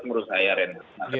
untuk saya ren